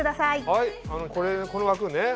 はいこの枠ね。